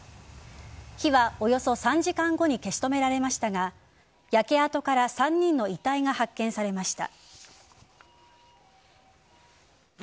火は、およそ３時間後に消し止められましたが焼け跡から３人の遺体が発見されました。